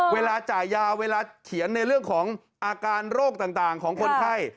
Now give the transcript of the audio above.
เวลาจ่ายยาเวลาเขียนในเรื่องของอาการโรคต่างของคนไข้